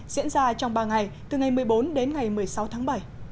diễn ra trong ba ngày từ ngày một mươi bốn đến ngày một mươi sáu tháng bảy